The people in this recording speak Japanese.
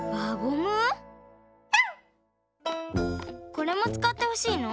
これもつかってほしいの？